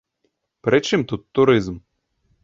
Пры чым тут турызм?